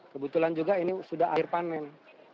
kebetulan juga ini sudah air panen